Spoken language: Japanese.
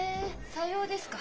さようですか。